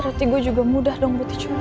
berarti gue juga mudah dong buat diculik